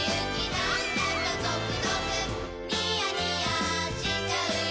なんだかゾクゾクニヤニヤしちゃうよ